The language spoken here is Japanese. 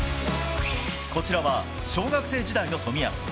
こちらは小学生時代の冨安。